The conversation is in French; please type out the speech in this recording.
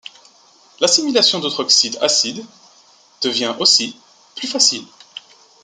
L'assimilation d'autres oxydes acides devient aussi plus facile.